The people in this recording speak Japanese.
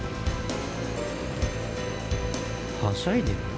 はしゃいでる。